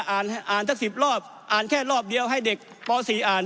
อ่านอ่านสัก๑๐รอบอ่านแค่รอบเดียวให้เด็กป๔อ่าน